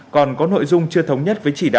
còn có nội dung chưa thống nhất với chỉ đạo